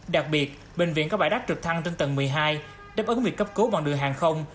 đặc biệt bệnh viện có bãi đáp trực thăng trên tầng một mươi hai đáp ứng việc cấp cứu bằng đường hàng không